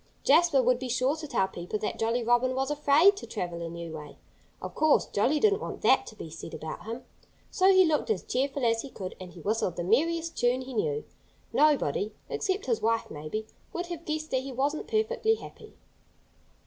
Jasper would be sure to tell people that Jolly Robin was afraid to travel a new way.... Of course, Jolly didn't want that to be said about him. So he looked as cheerful as he could; and he whistled the merriest tune he knew. Nobody except his wife, maybe would have guessed that he wasn't perfectly happy.